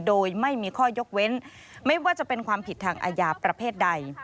โดยไม่มีข้อยกเว้นไม่ว่าจะเป็นความผิดทางอาญาประเภทใด